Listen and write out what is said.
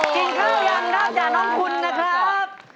กินข้าวยังนับจากน้องคุณนะครับ